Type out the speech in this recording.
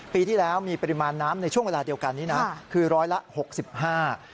ปีที่แล้วมีปริมาณน้ำในช่วงเวลาเดียวกันนี้คือ๑๖๕ล้านลูกบาท